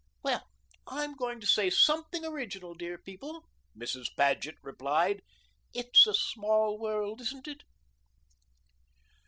"Well, I'm going to say something original, dear people," Mrs. Paget replied. "It's a small world, isn't it?"